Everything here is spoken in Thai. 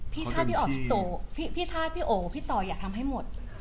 พี่ชาติพี่ออกพี่โตพี่ชาติพี่โอ๋พี่ต่ออยากทำให้หมด